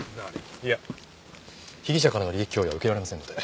いや被疑者からの利益供与は受けられませんので。